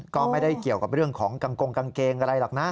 ก็ไม่ได้เกี่ยวกับเรื่องของกางกงกางเกงอะไรหรอกนะ